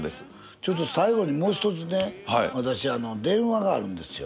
ちょっと最後にもう１つね私電話があるんですよ。